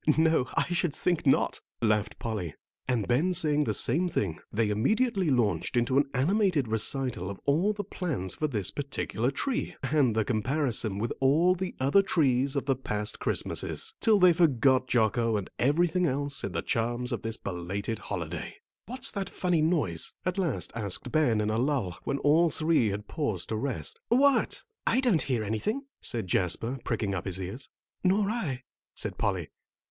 "No, I should think not," laughed Polly. And Ben saying the same thing they immediately launched into an animated recital of all the plans for this particular tree, and the comparison with all the other trees of the past Christmases, till they forgot Jocko and everything else in the charms of this belated holiday. "What's that funny noise?" at last asked Ben in a lull, when all three had paused to rest. "What? I don't hear anything," said Jasper, pricking up his ears. "Nor I," said Polly.